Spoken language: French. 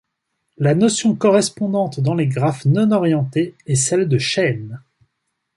La notion correspondante dans les graphes non orientés est celle de chaîne.